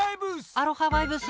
アロハバイブス！